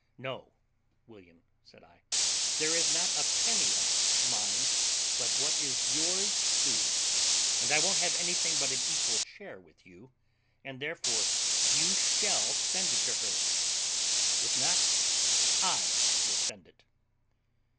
"No, William," said I, "there is not a penny of it mine but what is yours too, and I won't have anything but an equal share with you, and therefore you shall send it to her; if not, I will send it."